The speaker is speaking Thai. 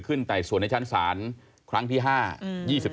ไต่สวนในชั้นศาลครั้งที่๕